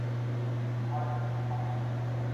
আর আমি যা করতে চাই?